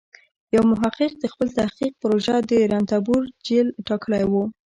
یو محقق د خپل تحقیق پروژه د رنتبور جېل ټاکلی و.